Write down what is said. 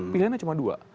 pilihannya cuma dua